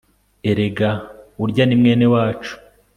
erega urya ni mwene wacu